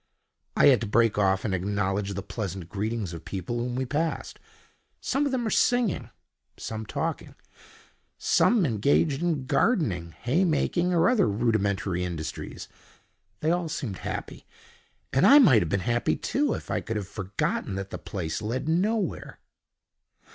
I had to break off and acknowledge the pleasant greetings of people whom we passed. Some of them were singing, some talking, some engaged in gardening, hay making, or other rudimentary industries. They all seemed happy; and I might have been happy too, if I could have forgotten that the place led nowhere.